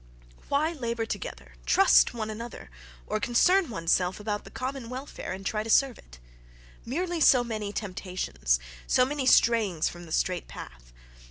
Why labour together, trust one another, or concern one's self about the common welfare, and try to serve it?... Merely so many "temptations," so many strayings from the "straight path."